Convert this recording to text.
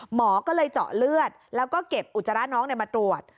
หมอก็เลยเจาะเลือดแล้วก็เก็บอุจจาระน้องมาตรวจ